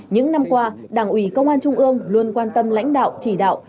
những năm qua đảng ủy công an trung ương luôn quan tâm lãnh đạo chỉ đạo